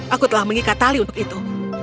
aku telah mengikat tali untuk itu